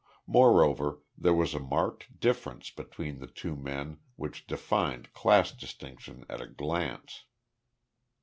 Moreover, there was a marked difference between the two men which defined class distinction at a glance.